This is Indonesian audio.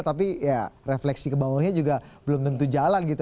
tapi refleksi kebangunannya juga belum tentu jalan